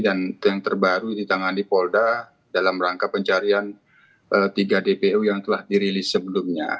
dan yang terbaru ditangani polda dalam rangka pencarian tiga dpo yang telah dirilis sebelumnya